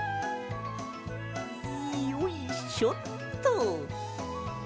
よいしょっと！